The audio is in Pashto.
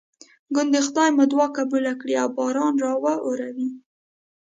ګوندې خدای مو دعا قبوله کړي او باران راواوري.